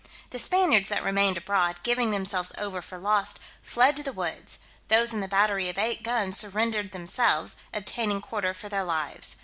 The Spaniards that remained abroad, giving themselves over for lost, fled to the woods: those in the battery of eight guns surrendered themselves, obtaining quarter for their lives.